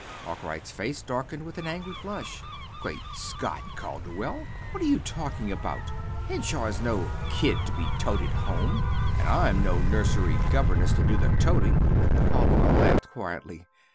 Arkwright's face darkened with an angry flush. "Great Scott, Calderwell! What are you talking about? Henshaw is no kid to be toted home, and I'm no nursery governess to do the toting!" Calderwell laughed quietly.